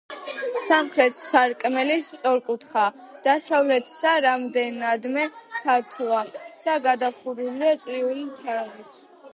სამხრეთის სარკმელი სწორკუთხაა, დასავლეთისა რამდენადმე ფართოა და გადახურულია წრიული თაღით.